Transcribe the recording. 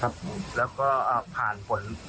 และก็คือว่าถึงแม้วันนี้จะพบรอยเท้าเสียแป้งจริงไหม